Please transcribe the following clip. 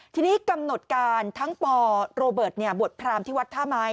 ทีนี้กำหนดการทั้งปโรเบิร์ตบวชพรามที่วัดท่าไม้